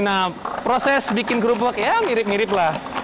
nah proses bikin kerupuk ya mirip mirip lah